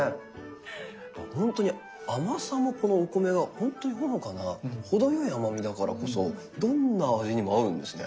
ほんとに甘さもこのお米がほんとにほのかな程よい甘みだからこそどんな味にも合うんですね。